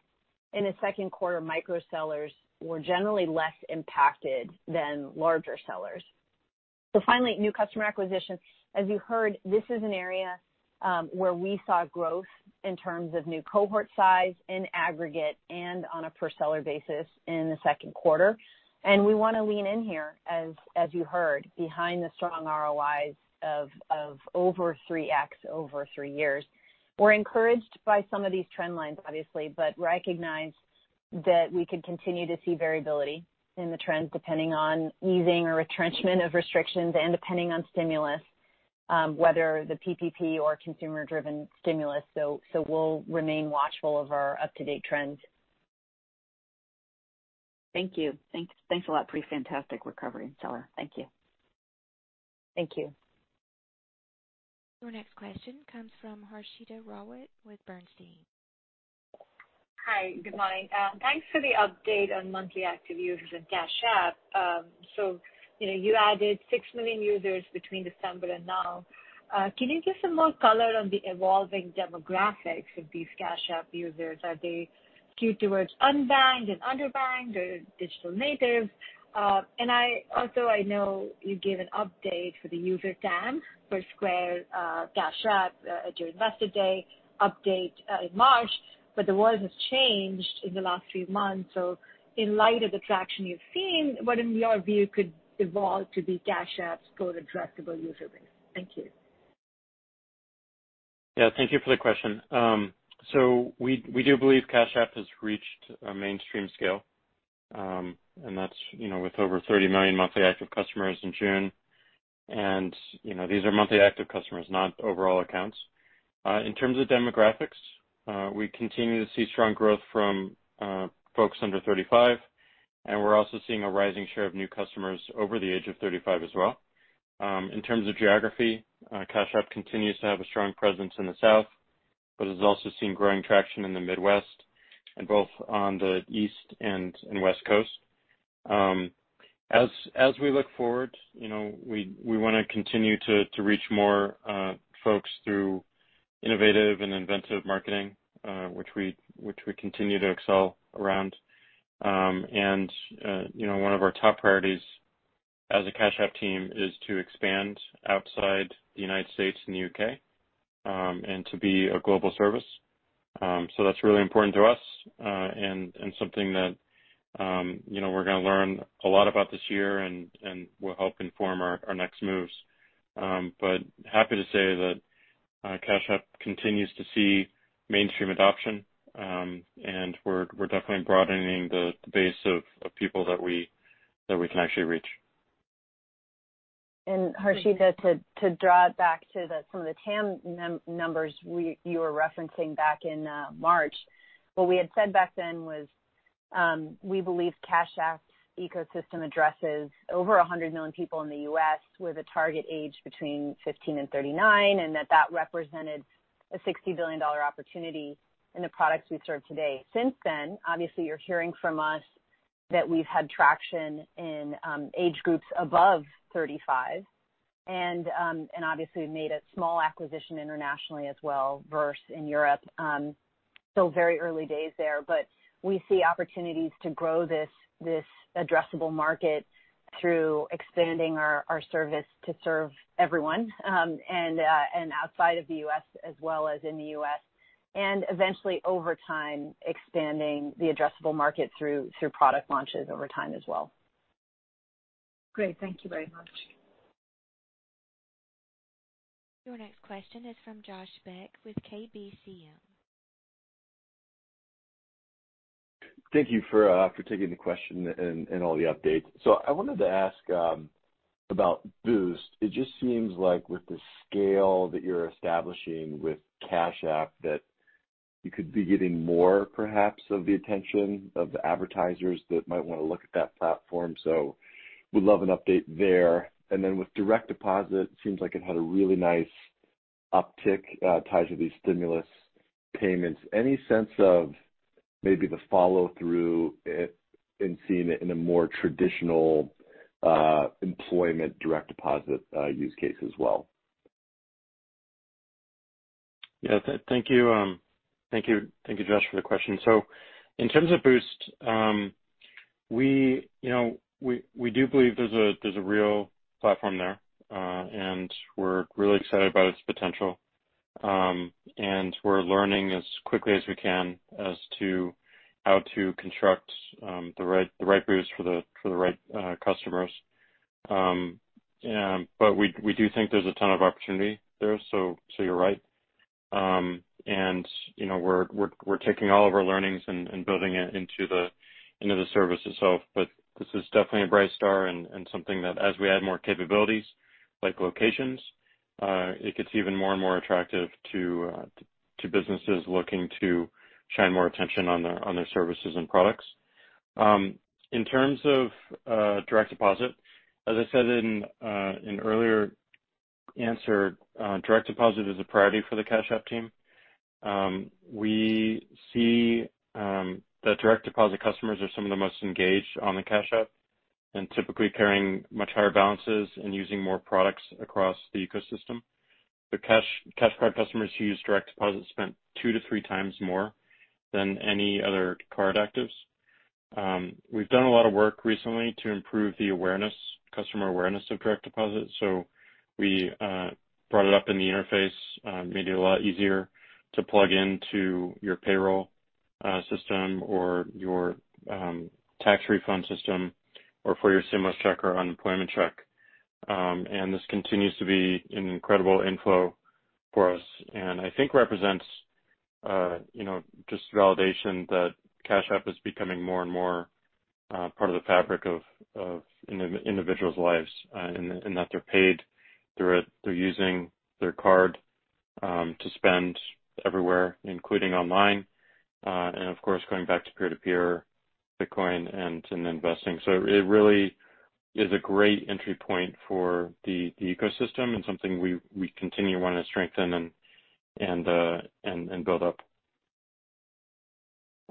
[SPEAKER 4] in the second quarter, micro sellers were generally less impacted than larger sellers. Finally, new customer acquisition. As you heard, this is an area where we saw growth in terms of new cohort size in aggregate and on a per-seller basis in the second quarter. We want to lean in here, as you heard, behind the strong ROIs of over 3x over three years. We're encouraged by some of these trend lines, obviously, but recognize that we could continue to see variability in the trends depending on easing or retrenchment of restrictions and depending on stimulus, whether the PPP or consumer-driven stimulus. We'll remain watchful of our up-to-date trends.
[SPEAKER 10] Thank you. Thanks a lot. Pretty fantastic recovery in seller. Thank you.
[SPEAKER 4] Thank you.
[SPEAKER 1] Your next question comes from Harshita Rawat with Bernstein.
[SPEAKER 11] Hi, good morning. Thanks for the update on monthly active users in Cash App. You added 6 million users between December and now. Can you give some more color on the evolving demographics of these Cash App users? Are they skewed towards unbanked and underbanked or digital natives? I know you gave an update for the user TAM for Square Cash App at your Investor Day update in March, the world has changed in the last few months. In light of the traction you've seen, what, in your view, could evolve to be Cash App's total addressable user base? Thank you.
[SPEAKER 3] Yeah, thank you for the question. We do believe Cash App has reached a mainstream scale, and that's with over 30 million monthly active customers in June. These are monthly active customers, not overall accounts. In terms of demographics, we continue to see strong growth from folks under 35, and we're also seeing a rising share of new customers over the age of 35 as well. In terms of geography, Cash App continues to have a strong presence in the South, but has also seen growing traction in the Midwest and both on the East and West Coast. As we look forward, we want to continue to reach more folks through innovative and inventive marketing, which we continue to excel around. One of our top priorities as a Cash App team is to expand outside the U.S. and the U.K., and to be a global service. That's really important to us and something that we're going to learn a lot about this year and will help inform our next moves. Happy to say that Cash App continues to see mainstream adoption, and we're definitely broadening the base of people that we can actually reach.
[SPEAKER 4] Harshita, to draw it back to some of the TAM numbers you were referencing back in March. What we had said back then was, we believe Cash App's ecosystem addresses over 100 million people in the U.S. with a target age between 15 and 39, and that that represented a $60 billion opportunity in the products we serve today. Since then, obviously, you're hearing from us that we've had traction in age groups above 35, and obviously we've made a small acquisition internationally as well, Verse in Europe. Very early days there, but we see opportunities to grow this addressable market through expanding our service to serve everyone, and outside of the U.S. as well as in the U.S., and eventually, over time, expanding the addressable market through product launches over time as well.
[SPEAKER 11] Great. Thank you very much.
[SPEAKER 1] Your next question is from Josh Beck with KBCM.
[SPEAKER 12] Thank you for taking the question and all the updates. I wanted to ask about Boost. It just seems like with the scale that you're establishing with Cash App, that you could be getting more perhaps of the attention of the advertisers that might want to look at that platform. Would love an update there, and then with Direct Deposit, seems like it had a really nice uptick tied to these stimulus payments. Any sense of maybe the follow-through in seeing it in a more traditional employment Direct Deposit use case as well?
[SPEAKER 3] Thank you, Josh, for the question. In terms of Boost, we do believe there's a real platform there, and we're really excited about its potential. We're learning as quickly as we can as to how to construct the right Boost for the right customers. We do think there's a ton of opportunity there, so you're right. We're taking all of our learnings and building it into the service itself. This is definitely a bright star and something that as we add more capabilities like locations, it gets even more and more attractive to businesses looking to shine more attention on their services and products. In terms of Direct Deposit, as I said in an earlier answer, Direct Deposit is a priority for the Cash App team. We see that Direct Deposit customers are some of the most engaged on the Cash App and typically carrying much higher balances and using more products across the ecosystem. The Cash Card customers who use Direct Deposit spent two to three times more than any other card actives. We brought it up in the interface, made it a lot easier to plug into your payroll system or your tax refund system or for your stimulus check or unemployment check. This continues to be an incredible inflow for us and I think represents just validation that Cash App is becoming more and more part of the fabric of an individual's lives, in that they're paid through it, they're using their card to spend everywhere, including online. Of course, going back to peer-to-peer Bitcoin and investing. It really is a great entry point for the ecosystem and something we continue wanting to strengthen and build up.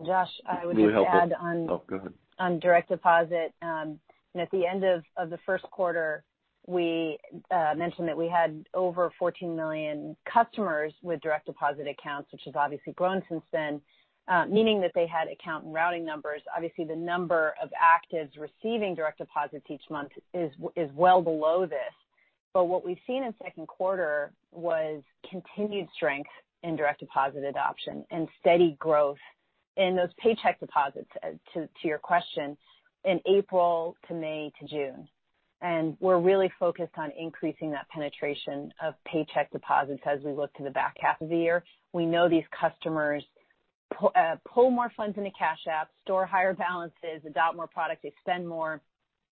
[SPEAKER 4] Josh, I would just add on.
[SPEAKER 3] Oh, go ahead.
[SPEAKER 4] On Direct Deposit. At the end of the first quarter, we mentioned that we had over 14 million customers with Direct Deposit accounts, which has obviously grown since then, meaning that they had account and routing numbers. Obviously, the number of actives receiving Direct Deposits each month is well below this. What we've seen in second quarter was continued strength in Direct Deposit adoption and steady growth in those paycheck deposits, to your question, in April to May to June. We're really focused on increasing that penetration of paycheck deposits as we look to the back half of the year. We know these customers pull more funds into Cash App, store higher balances, adopt more product, they spend more,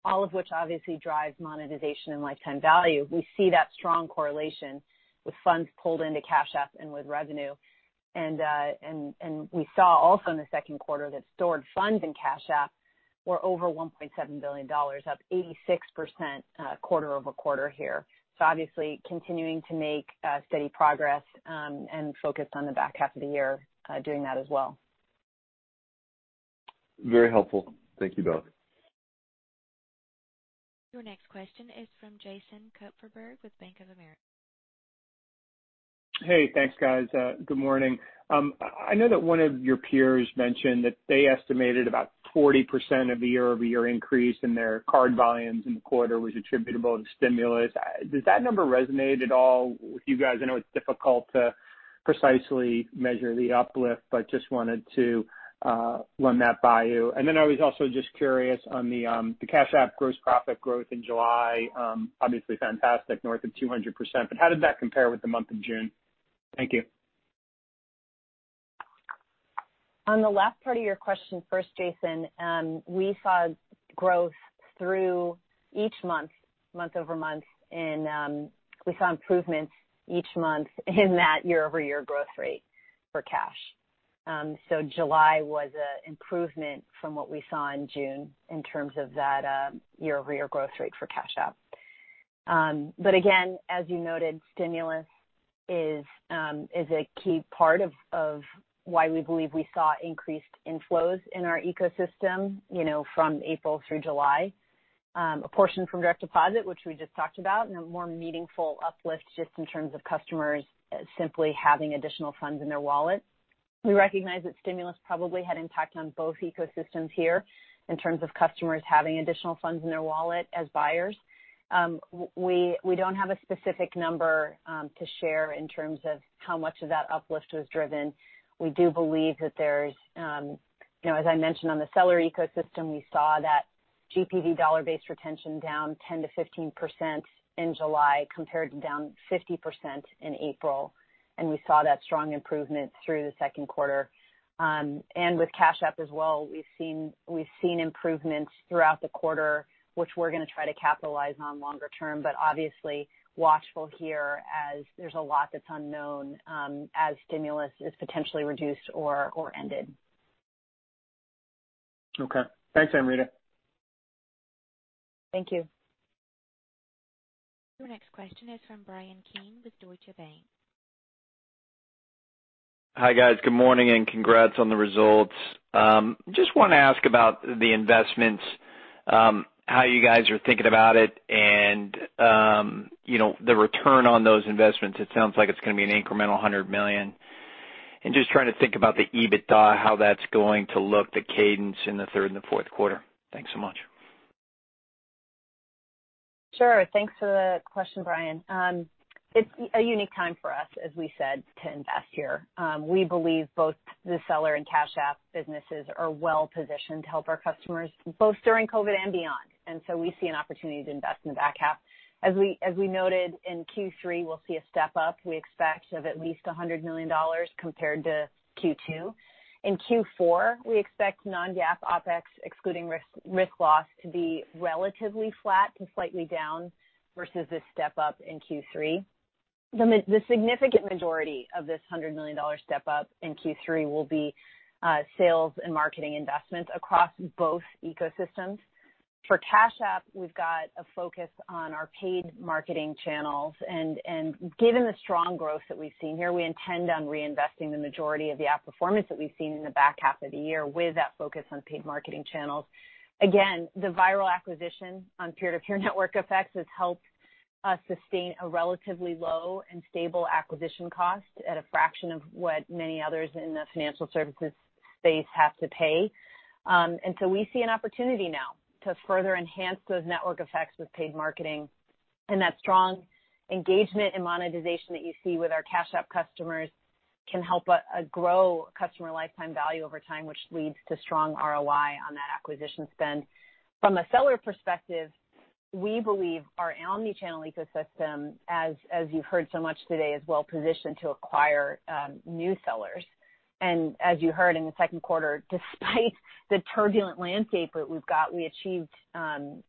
[SPEAKER 4] all of which obviously drives monetization and lifetime value. We see that strong correlation with funds pulled into Cash App and with revenue. We saw also in the second quarter that stored funds in Cash App were over $1.7 billion, up 86% quarter-over-quarter here. Obviously continuing to make steady progress, and focused on the back half of the year doing that as well.
[SPEAKER 12] Very helpful. Thank you both.
[SPEAKER 1] Your next question is from Jason Kupferberg with Bank of America.
[SPEAKER 13] Hey, thanks guys. Good morning. I know that one of your peers mentioned that they estimated about 40% of year-over-year increase in their card volumes in the quarter was attributable to stimulus. Does that number resonate at all with you guys? I know it's difficult to precisely measure the uplift, but just wanted to run that by you. I was also just curious on the Cash App gross profit growth in July. Obviously fantastic, north of 200%, but how did that compare with the month of June? Thank you.
[SPEAKER 4] On the last part of your question first, Jason, we saw growth through each month-over-month, and we saw improvements each month in that year-over-year growth rate for Cash. July was an improvement from what we saw in June in terms of that year-over-year growth rate for Cash App. Again, as you noted, stimulus is a key part of why we believe we saw increased inflows in our ecosystem from April through July. A portion from Direct Deposit, which we just talked about, and a more meaningful uplift just in terms of customers simply having additional funds in their wallet. We recognize that stimulus probably had impact on both ecosystems here in terms of customers having additional funds in their wallet as buyers. We don't have a specific number to share in terms of how much of that uplift was driven. We do believe that there's, as I mentioned on the seller ecosystem, we saw that GPV dollar-based retention down 10%-15% in July compared to down 50% in April. We saw that strong improvement through the second quarter. With Cash App as well, we've seen improvements throughout the quarter, which we're going to try to capitalize on longer term. Obviously watchful here as there's a lot that's unknown as stimulus is potentially reduced or ended.
[SPEAKER 3] Okay. Thanks, Amrita.
[SPEAKER 4] Thank you.
[SPEAKER 1] Your next question is from Bryan Keane with Deutsche Bank.
[SPEAKER 14] Hi, guys. Good morning, and congrats on the results. Just want to ask about the investments, how you guys are thinking about it and the return on those investments. It sounds like it's going to be an incremental $100 million. Just trying to think about the EBITDA, how that's going to look, the cadence in the third and the fourth quarter. Thanks so much.
[SPEAKER 4] Sure. Thanks for the question, Bryan. It's a unique time for us, as we said, to invest here. We believe both the seller and Cash App businesses are well-positioned to help our customers, both during COVID and beyond. We see an opportunity to invest in the back half. As we noted in Q3, we'll see a step-up, we expect, of at least $100 million compared to Q2. In Q4, we expect non-GAAP OPEX, excluding risk loss, to be relatively flat to slightly down versus the step-up in Q3. The significant majority of this $100 million step-up in Q3 will be sales and marketing investments across both ecosystems. For Cash App, we've got a focus on our paid marketing channels. Given the strong growth that we've seen here, we intend on reinvesting the majority of the outperformance that we've seen in the back half of the year with that focus on paid marketing channels. Again, the viral acquisition on peer-to-peer network effects has helped us sustain a relatively low and stable acquisition cost at a fraction of what many others in the financial services space have to pay. We see an opportunity now to further enhance those network effects with paid marketing. That strong engagement and monetization that you see with our Cash App customers can help us grow customer lifetime value over time, which leads to strong ROI on that acquisition spend. From a seller perspective, we believe our omni-channel ecosystem, as you've heard so much today, is well-positioned to acquire new sellers. As you heard in the second quarter, despite the turbulent landscape that we've got, we achieved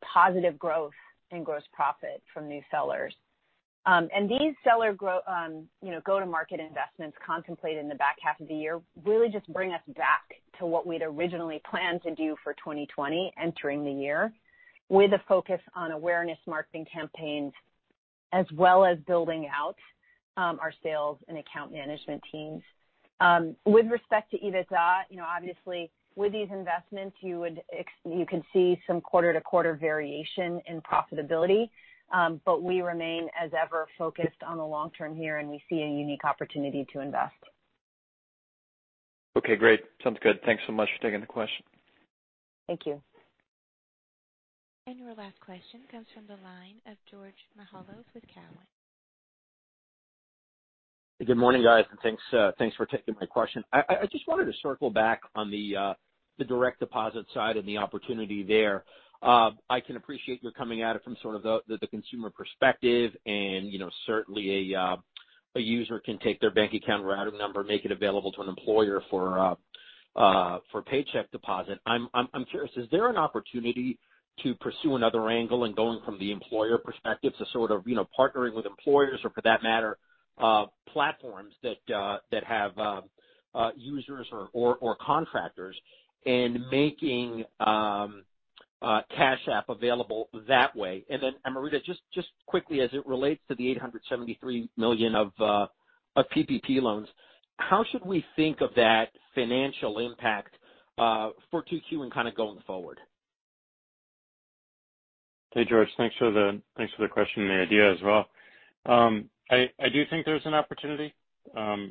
[SPEAKER 4] positive growth in gross profit from new sellers. These seller go-to-market investments contemplated in the back half of the year really just bring us back to what we'd originally planned to do for 2020 entering the year, with a focus on awareness marketing campaigns, as well as building out our sales and account management teams. With respect to EBITDA, obviously with these investments, you can see some quarter-to-quarter variation in profitability. We remain, as ever, focused on the long term here, and we see a unique opportunity to invest.
[SPEAKER 14] Okay, great. Sounds good. Thanks so much for taking the question.
[SPEAKER 4] Thank you.
[SPEAKER 1] Your last question comes from the line of George Mihalos with Cowen.
[SPEAKER 15] Good morning, guys, and thanks for taking my question. I just wanted to circle back on the Direct Deposit side and the opportunity there. I can appreciate you're coming at it from the consumer perspective, and certainly a user can take their bank account routing number and make it available to an employer for paycheck deposit. I'm curious, is there an opportunity to pursue another angle in going from the employer perspective to partnering with employers or for that matter, platforms that have users or contractors and making Cash App available that way? Amrita, just quickly as it relates to the $873 million of PPP loans, how should we think of that financial impact for Q2 and going forward?
[SPEAKER 3] Hey, George. Thanks for the question and the idea as well. I do think there's an opportunity.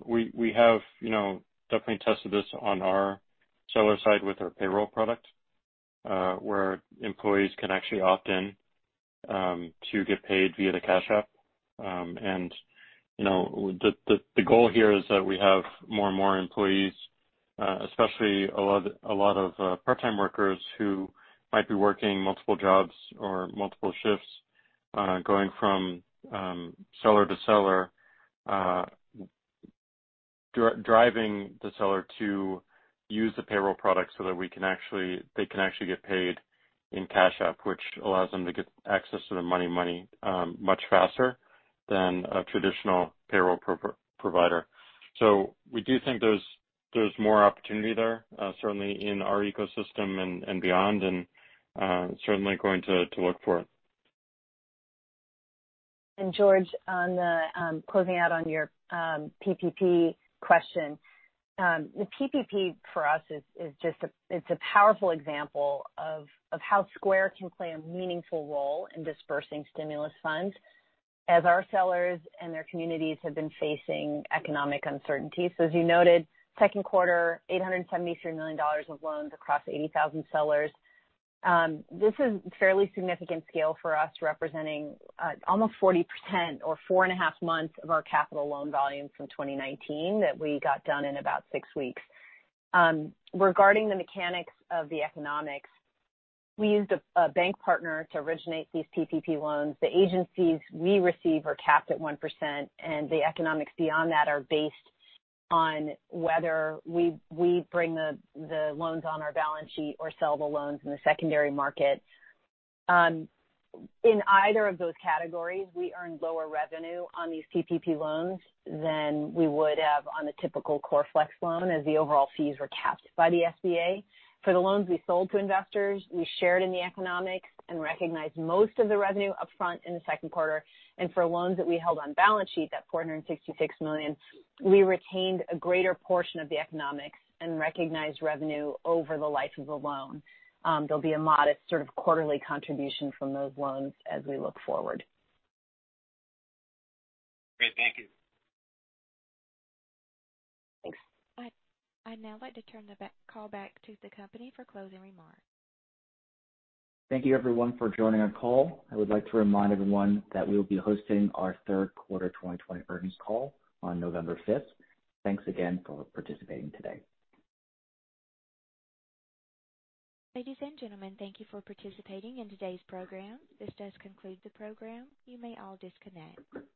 [SPEAKER 3] We have definitely tested this on our seller side with our payroll product, where employees can actually opt in to get paid via the Cash App. The goal here is that we have more and more employees, especially a lot of part-time workers who might be working multiple jobs or multiple shifts, going from seller to seller, driving the seller to use the payroll product so that they can actually get paid in Cash App, which allows them to get access to their money much faster than a traditional payroll provider. We do think there's more opportunity there, certainly in our ecosystem and beyond, and certainly going to look for it.
[SPEAKER 4] George, on the closing out on your PPP question. The PPP for us is just a powerful example of how Square can play a meaningful role in dispersing stimulus funds as our sellers and their communities have been facing economic uncertainties. As you noted, second quarter, $873 million of loans across 80,000 sellers. This is fairly significant scale for us, representing almost 40% or 4.5 months of our capital loan volume from 2019 that we got done in about six weeks. Regarding the mechanics of the economics, we used a bank partner to originate these PPP loans. The agencies we receive are capped at 1%, and the economics beyond that are based on whether we bring the loans on our balance sheet or sell the loans in the secondary market. In either of those categories, we earned lower revenue on these PPP loans than we would have on a typical Core Flex Loan, as the overall fees were capped by the SBA. For loans that we held on balance sheet, that $466 million, we retained a greater portion of the economics and recognized revenue over the life of the loan. There'll be a modest sort of quarterly contribution from those loans as we look forward.
[SPEAKER 15] Great. Thank you.
[SPEAKER 4] Thanks.
[SPEAKER 1] I'd now like to turn the call back to the company for closing remarks.
[SPEAKER 2] Thank you everyone for joining our call. I would like to remind everyone that we will be hosting our third quarter 2020 earnings call on November 5th. Thanks again for participating today.
[SPEAKER 1] Ladies and gentlemen, thank you for participating in today's program. This does conclude the program. You may all disconnect.